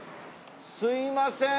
すいません！